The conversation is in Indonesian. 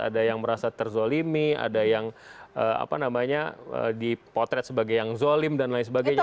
ada yang merasa terzolimi ada yang apa namanya dipotret sebagai yang zolim dan lain sebagainya